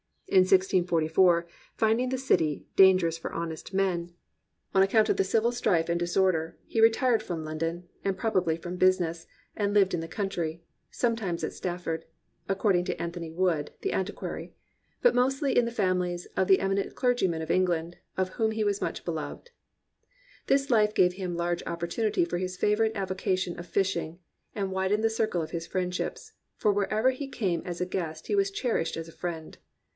In 1644, finding the city "dangerous for honest men" on account of the 295 COMPANIONABLE BOOKS civil strife and disorder, he retired from London, and probably from business, and lived in the country, "sometimes at Stafford," (according to Anthony Wood, the antiquary,) "but mostly in the famiHes of the eminent clergymen of England, of whom he was much beloved." This life gave him large op portunity for his favourite avocation of fishing, and widened the circle of his friendships, for wherever he came as a guest he was cherished as a friend.